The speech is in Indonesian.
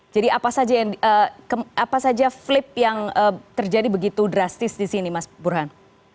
jadi apa saja flip yang terjadi begitu drastis di sini mas burhan